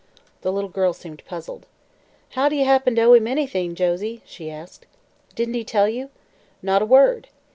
The little girl seemed puzzled. "How'd ye happen to owe him anything, Josie?" she asked. "Didn't he tell you?" "Not a word."